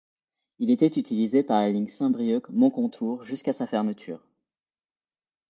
Il était utilisé par la ligne Saint-Brieuc - Moncontour jusqu'à sa fermeture.